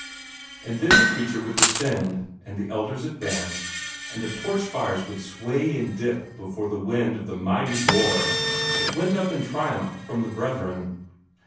And then the preacher would descend, and the elders advance, and the torch fires would sway and dip before the wind of the mighty roar that went up in triumph from the brethren.